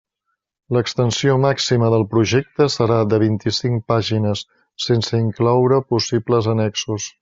L'extensió màxima del projecte serà de vint-i-cinc pàgines, sense incloure possibles annexos.